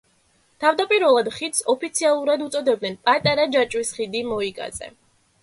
თავდაპირველად ხიდს ოფიციალურად უწოდებდნენ „პატარა ჯაჭვის ხიდი მოიკაზე“.